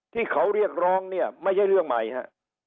ที่เขาเรียกร้องเนี่ยไม่ใช่เรื่องใหม่ฮะ